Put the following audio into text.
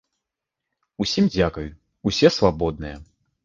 Усім дзякуй, усе свабодныя.